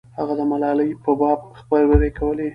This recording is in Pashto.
هغه د ملالۍ په باب خبرې کولې.